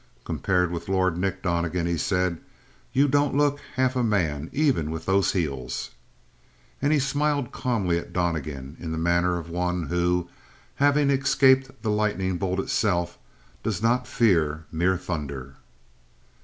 "Compared with Lord Nick, Donnegan," he said, "you don't look half a man even with those heels." And he smiled calmly at Donnegan in the manner of one who, having escaped the lightning bolt itself, does not fear mere thunder.